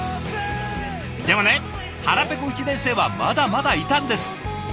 でもね腹ぺこ１年生はまだまだいたんです。